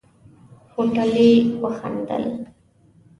هوټلي وخندل.